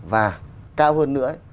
và cao hơn nữa